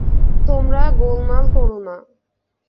তোমরা গোলমাল কোরো না।